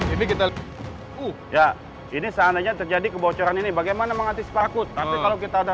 ini kita ya ini saatnya terjadi kebocoran ini bagaimana menghentis pakut tapi kalau kita